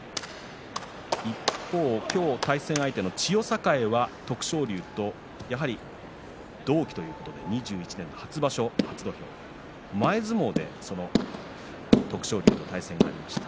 一方、今日対戦相手の千代栄は徳勝龍とやはり同期ということで２１年初場所初土俵前相撲でその徳勝龍と対戦がありました。